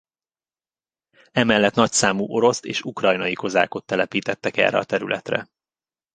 Emellett nagyszámú oroszt és ukrajnai kozákot telepítettek erre a területre.